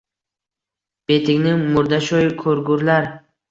— Betingni murdasho‘y ko‘rgurlar!